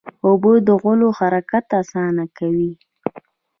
اوبه د غولو حرکت اسانه کوي.